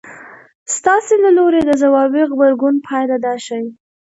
ستاسې له لوري د ځوابي غبرګون پايله دا شي.